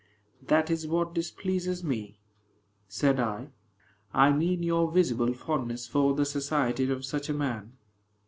"That is what displeases me," said I; "I mean your visible fondness for the society of such a man.